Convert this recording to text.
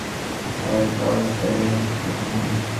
তিনি sir George স্যাভিলের সাথে পরিচিত হন।